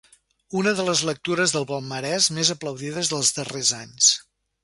Una de les lectures del palmarès més aplaudides dels darrers anys.